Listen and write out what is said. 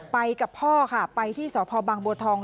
ไปกับพ่อค่ะไปที่สพบังบัวทอง